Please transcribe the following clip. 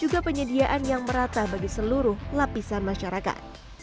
kepenyediaan yang merata bagi seluruh lapisan masyarakat